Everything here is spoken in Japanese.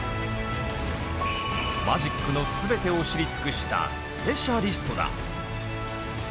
マジックの全てを知り尽くしたスペシャリストだ。